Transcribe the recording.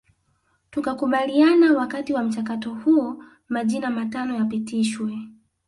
Tukakubaliana Wakati wa mchakato huo majina matano yapitishwe